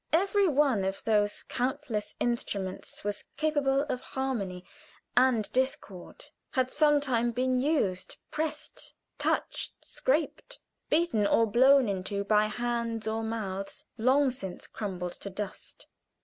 Every one of those countless instruments was capable of harmony and discord had some time been used; pressed, touched, scraped, beaten or blown into by hands or mouths long since crumbled to dust.